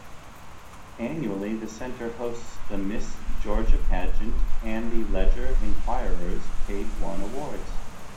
Annually, the center hosts the Miss Georgia Pageant and the Ledger-Enquirer's Page One Awards.